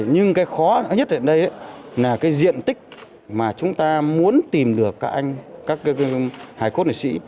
nhưng cái khó nhất hiện nay là cái diện tích mà chúng ta muốn tìm được các anh các hải cốt liệt sĩ